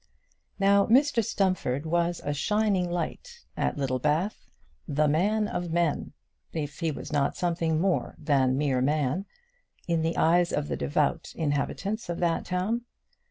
Now Mr Stumfold was a shining light at Littlebath, the man of men, if he was not something more than mere man, in the eyes of the devout inhabitants of that town.